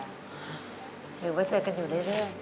หรือว่าเจอกันอยู่เรื่อย